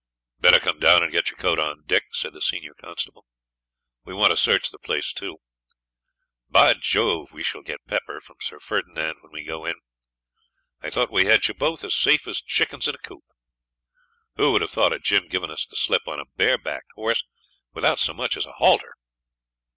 'Better come down and get your coat on, Dick,' said the senior constable. 'We want to search the place, too. By Jove! we shall get pepper from Sir Ferdinand when we go in. I thought we had you both as safe as chickens in a coop. Who would have thought of Jim givin' us the slip, on a barebacked horse, without so much as a halter?